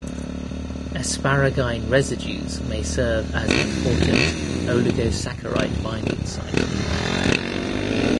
Asparagine residues may serve as an important oligosaccharide binding site.